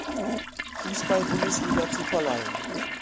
Fußball-Bundesliga zu verleihen.